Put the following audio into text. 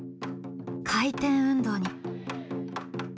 回転運動に。